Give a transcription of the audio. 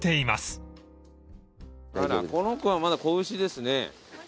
あらこの子はまだ子牛ですね。